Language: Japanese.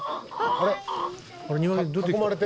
あれ？